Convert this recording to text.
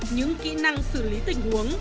những kỹ năng xử lý tình huống